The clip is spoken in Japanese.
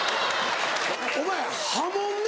お前破門ね！